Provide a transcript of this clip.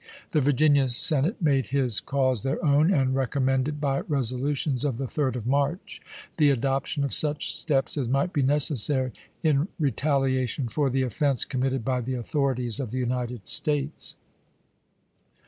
The Virginia Senate made his chap.i. cause their own, and recommended, by resolutions of the 3d of March, the adoption of such steps as im. might be necessary in retaliation for the offense committed by the authorities of the United States.